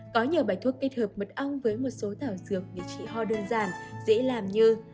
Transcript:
có nhiều bài thuốc kết hợp mật ong với một số thảo dược để trị ho đơn giản dễ làm như